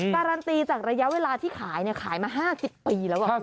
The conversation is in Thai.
การันตีจากระยะเวลาที่ขายขายมา๕๐ปีแล้ว